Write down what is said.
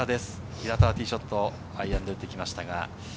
平田はティーショットはアイアンで打ってきました。